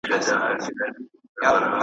ځواني مي خوب ته راولم جانانه هېر مي نه کې .